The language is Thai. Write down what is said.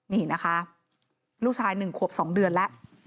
นี่นะคะลูกชาย๑ขวบ๒เดือนแล้ว